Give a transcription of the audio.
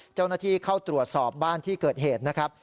เจ้าหน้าที่เข้าตรวจสอบบ้านที่เกิดเหตุนะครับ